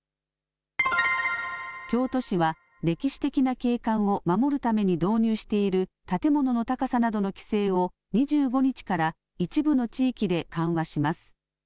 京都市は歴史的な景観を守るために導入している建物の高さなどの規制を２５日から一部の地域で緩和します。